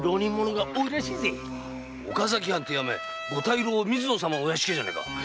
岡崎藩といや御大老・水野様のお屋敷じゃねえか。